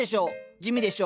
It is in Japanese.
地味でしょ？